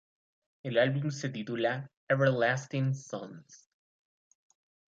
El álbum se titula Everlasting Songs.